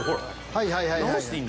はいはいはいはい。